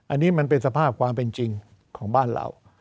อันนี้มันเป็นสภาพความเป็นจริงของบ้านเรา